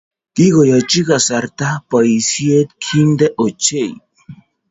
kikoyochi kasarta boisie kintee ochei